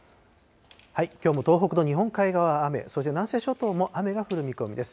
きょうも東北の日本海側は雨、そして南西諸島も雨が降る見込みです。